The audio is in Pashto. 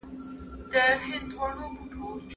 ستاسو په ذهن کي به د روښانه سبا فکر وي.